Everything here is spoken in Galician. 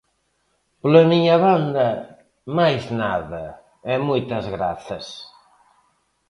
Pola miña banda, máis nada e moitas grazas.